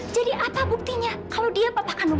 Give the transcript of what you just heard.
jadi apa buktinya kamu dia papa kandungan